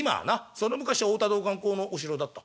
その昔は太田道灌公のお城だった」。